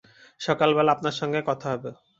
সকালবেলা আপনার সঙ্গে কথা হবে!